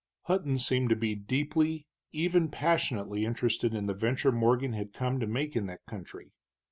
Hutton seemed to be deeply, even passionately, interested in the venture Morgan had come to make in that country.